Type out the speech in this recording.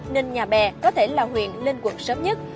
nên nhà bè có thể là huyện lên quận sớm nhất